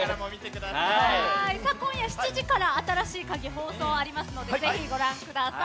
今夜７時から「新しいカギ」放送ありますのでぜひご覧ください。